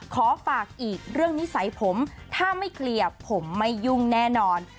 ขอฝากอีกเรื่องนิสัยผมถ้าไม่เคลียร์ผมไม่ยุ่งแน่นอน